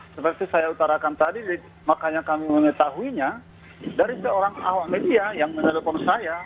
seperti saya utarakan tadi makanya kami mengetahuinya dari seorang awak media yang menelpon saya